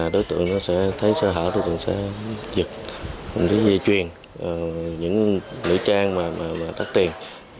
đối tượng sẽ thấy sơ hở đối tượng sẽ giật dây chuyền những nữ trang mà đắt tiền